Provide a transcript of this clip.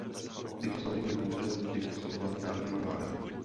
Tyto snahy byly bohužel vždy oslabovány národními vládami.